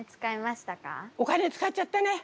お金使っちゃったねうん。